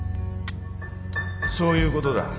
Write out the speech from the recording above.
そういうことだ。